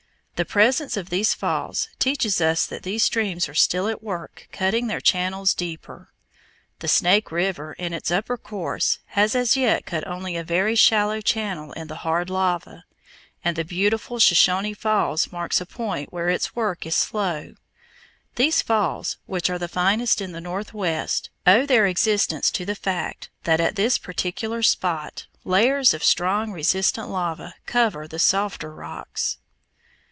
The presence of these falls teaches us that these streams are still at work cutting their channels deeper. The Snake River in its upper course has as yet cut only a very shallow channel in the hard lava, and the beautiful Shoshone Falls marks a point where its work is slow. These falls, which are the finest in the northwest, owe their existence to the fact that at this particular spot layers of strong resistant lava cover the softer rocks.